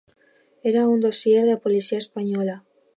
Era un dossier de la policia espanyola.